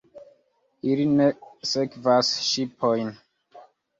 Ili ne sekvas ŝipojn.